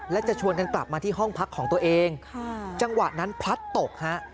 และจะชวนกันกลับมาที่ห้องพักของตัวเองจังหวะนั้นพลัดตกฮะ